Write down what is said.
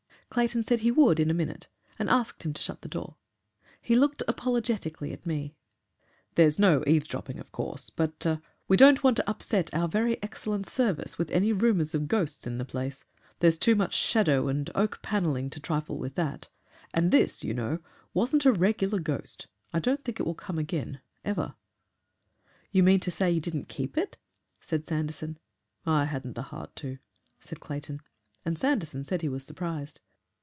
Clayton said he would in a minute, and asked him to shut the door. He looked apologetically at me. "There's no eavesdropping of course, but we don't want to upset our very excellent service with any rumours of ghosts in the place. There's too much shadow and oak panelling to trifle with that. And this, you know, wasn't a regular ghost. I don't think it will come again ever." "You mean to say you didn't keep it?" said Sanderson. "I hadn't the heart to," said Clayton. And Sanderson said he was surprised.